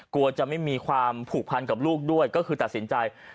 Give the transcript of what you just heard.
กลัวจะไม่มีความผูกพันกับลูกด้วยก็คือตัดสินใจ